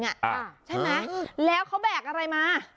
ใช่ไหมแล้วเขาแบกอะไรมา